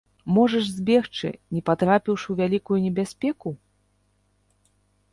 Можаш збегчы, не патрапіўшы ў вялікую небяспеку?